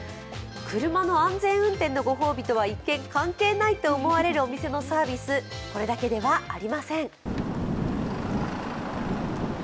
車の安全運転のご褒美とは一見関係ないと思われるお店のサービス、これだけではありません。